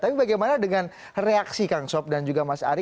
tapi bagaimana dengan reaksi kang sob dan juga mas ari